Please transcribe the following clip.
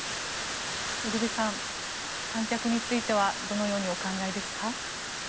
ウルヴェさん観客についてはどのようにお考えですか？